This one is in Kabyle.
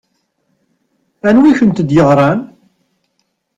Anwi i kent-d-yeɣṛan?